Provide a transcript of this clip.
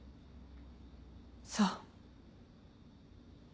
そう。